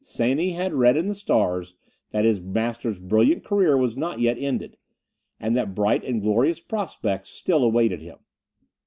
Seni had read in the stars, that his master's brilliant career was not yet ended; and that bright and glorious prospects still awaited him.